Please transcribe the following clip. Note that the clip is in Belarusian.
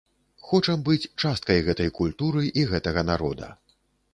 Хочам быць часткай гэтай культуры і гэтага народа.